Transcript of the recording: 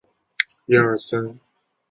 车站色调为米黄色。